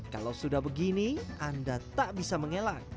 kalau sudah begini anda tak bisa mengelak